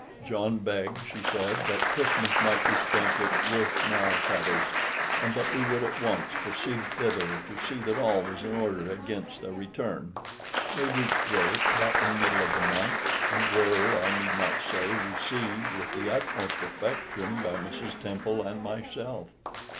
John begged, she said, that Christmas might be spent at Worth Maltravers, and that we would at once proceed thither to see that all was in order against their return. They reached Worth about the middle of the month, and were, I need not say, received with the utmost affection by Mrs. Temple and myself.